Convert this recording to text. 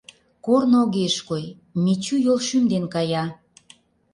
Корно огеш кой, Мичу йолшӱм дене кая.